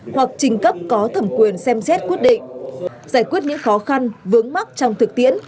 hoặc trình cấp có thẩm quyền xem xét quyết định giải quyết những khó khăn vướng mắt trong thực tiễn